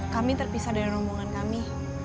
kami terpisah dari rombongan kami